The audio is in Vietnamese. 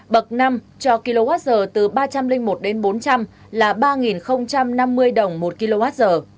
bậc năm cho kwh từ ba trăm linh một đến bốn trăm linh là ba năm mươi đồng một kwh